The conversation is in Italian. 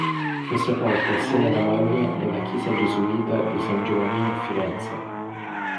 Fu sepolto assieme alla moglie nella chiesa gesuita di San Giovannino a Firenze.